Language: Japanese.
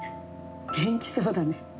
元気そうだね。